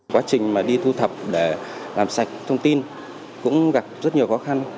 quá trình mà đi thu thập để làm sạch thông tin cũng gặp rất nhiều khó khăn